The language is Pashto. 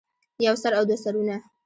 يو سر او دوه سرونه